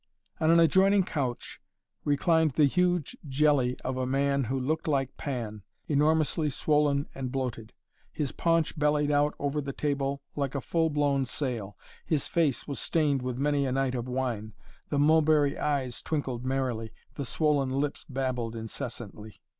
On an adjoining couch reclined the huge jelly of a man who looked like Pan, enormously swollen and bloated. His paunch bellied out over the table like a full blown sail. His face was stained with many a night of wine. The mulberry eyes twinkled merrily. The swollen lips babbled incessantly.